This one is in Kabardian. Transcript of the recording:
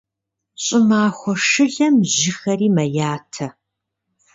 ЩӀымахуэ шылэм жьыхэри мэятэ.